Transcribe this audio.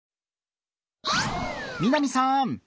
みなみさん！